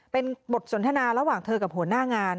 เป็นบทสนทนาระหว่างเธอกับหัวหน้างาน